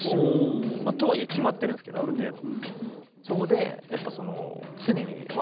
とはいえ決まってるんですけどある程度。